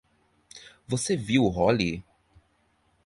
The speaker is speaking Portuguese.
Você viu o Hollie?